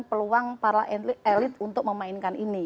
yang kemudian menjadikan peluang para elit untuk memainkan ini